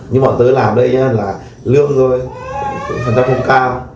nhưng mà tôi làm đây là lương rồi phần tăng không cao